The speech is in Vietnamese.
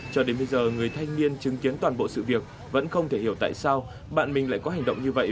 cho đến bây giờ người thanh niên chứng kiến toàn bộ sự việc vẫn không thể hiểu tại sao bạn mình lại có hành động như vậy